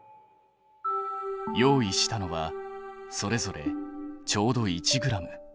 用意したのはそれぞれちょうど１ｇ。